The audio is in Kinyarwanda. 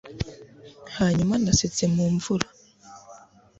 hanyuma nasetse mu mvura